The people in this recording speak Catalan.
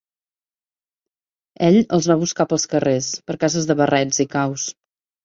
Ell els va buscar pels carrers, per cases de barrets i caus.